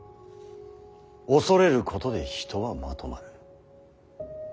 恐れることで人はまとまる。